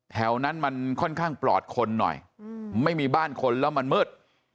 แถวนั้นมันค่อนข้างปลอดคนหน่อยไม่มีบ้านคนแล้วมันมืด